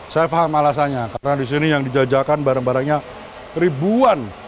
saya paham alasannya karena di sini yang dijajakan barang barangnya ribuan